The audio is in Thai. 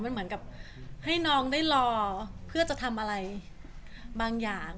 มันเหมือนกับให้น้องได้รอเพื่อจะทำอะไรบางอย่าง